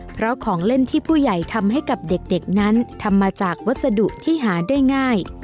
เพราะของเล่นที่ผู้ใหญ่ทำให้กับเด็กนั้นทำมาจากวัสดุที่หาได้ง่าย